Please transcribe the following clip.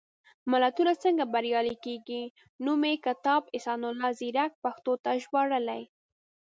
ملتونه څنګه بریالي کېږي؟ نومي کتاب، احسان الله ځيرک پښتو ته ژباړلی.